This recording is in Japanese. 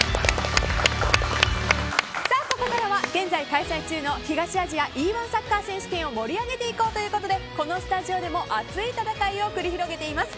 ここからは現在、開催中の東アジアＥ‐１サッカー選手権を盛り上げていこうということでこのスタジオでも、熱い戦いを繰り広げています。